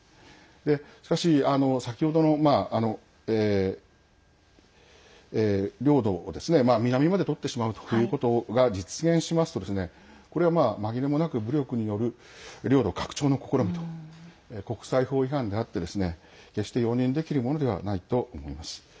しかし、先ほどの領土南まで取ってしまうということが実現しますとこれは紛れもなく武力による領土拡張の試みと国際法違反であって決して、容認できるものではないと思います。